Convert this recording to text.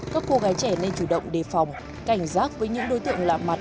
các cô gái trẻ nên chủ động đề phòng cảnh giác với những đối tượng lạ mặt